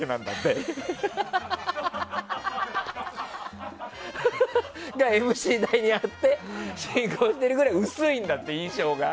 それがＭＣ台にあって進行しているぐらい薄いんだって印象が。